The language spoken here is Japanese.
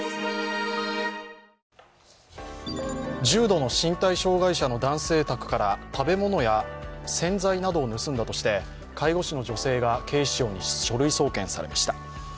重度の身体障害者の男性宅から食べ物や洗剤などを盗んだとして介護士の女性が警視庁に書類送検されました。